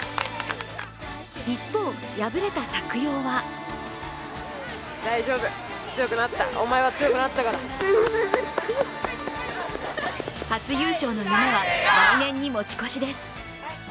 一方、敗れた作陽は初優勝の夢は来年に持ち越しです。